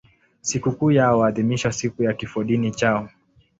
Sikukuu yao huadhimishwa siku ya kifodini chao.